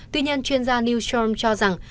tuy nhiên chuyên gia liu shom cho rằng